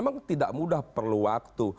memang tidak mudah perlu waktu